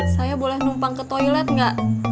saya boleh numpang ke toilet nggak